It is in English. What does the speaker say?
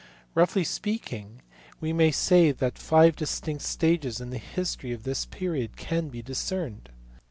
Roughly speaking we may say that five distinct stages in the history of this period can be discerned.